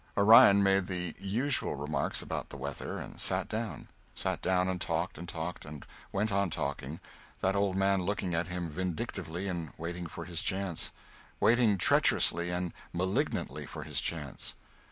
Orion made the usual remarks about the weather, and sat down sat down and talked and talked and went on talking that old man looking at him vindictively and waiting for his chance waiting treacherously and malignantly for his chance.